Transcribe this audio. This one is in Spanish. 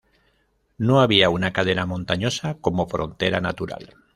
No había una cadena montañosa como frontera natural.